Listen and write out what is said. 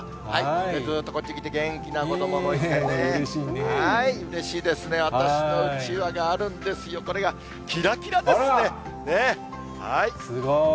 ずっとこっちきて、元気な子どももいてね、うれしいですね、私のうちわがあるんですよ、すごい。